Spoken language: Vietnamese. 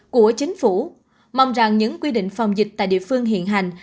của chính phủ mong rằng những quy định phòng dịch tại địa phương hiện hành